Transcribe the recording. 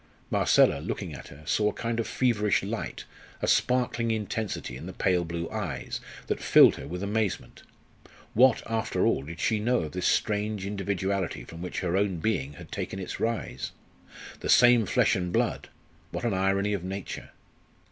Marcella, looking at her, saw a kind of feverish light, a sparkling intensity in the pale blue eyes, that filled her with amazement. What, after all, did she know of this strange individuality from which her own being had taken its rise? The same flesh and blood what an irony of nature!